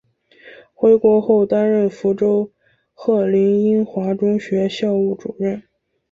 回国后担任福州鹤龄英华中学校务主任。